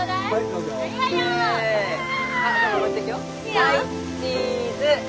はいチーズ！